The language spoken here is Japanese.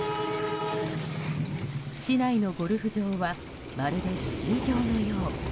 市内のゴルフ場はまるでスキー場のよう。